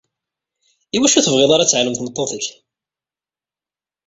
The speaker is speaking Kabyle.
Iwacu ur tebɣiḍ ara ad teεlem tmeṭṭut-ik?